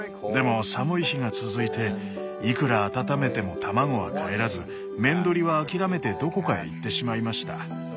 でも寒い日が続いていくら温めても卵はかえらずメンドリは諦めてどこかへ行ってしまいました。